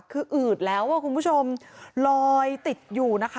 คืออืดแล้วคุณผู้ชมลอยติดอยู่นะคะ